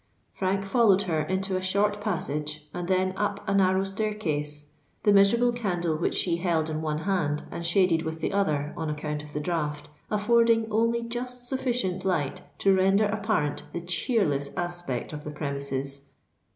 Frank followed her into a short passage, and then up a narrow staircase, the miserable candle which she held in one hand and shaded with the other on account of the draught, affording only just sufficient light to render apparent the cheerless aspect of the premises.